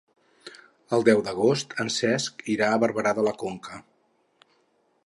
El deu d'agost en Cesc irà a Barberà de la Conca.